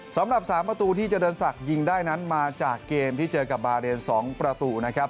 สำหรับ๓ประตูที่เจริญศักดิ์ยิงได้นั้นมาจากเกมที่เจอกับบาเรน๒ประตูนะครับ